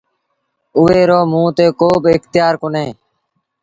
اُئي رو موٚنٚ تي ڪو با اکتيآر ڪونهي۔